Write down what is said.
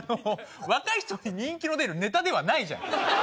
若い人に人気の出るネタではないじゃん